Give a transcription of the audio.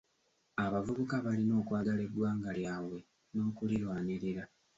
Abavubuka balina okwagala eggwanga lyabwe n'okulirwanirira.